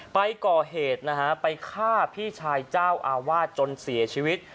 ไปก่อเหตุนะฮะไปฆ่าพี่ชายเจ้าอาวาสจนเสียชีวิต